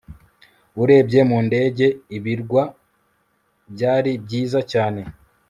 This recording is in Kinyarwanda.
urebye mu ndege, ibirwa byari byiza cyane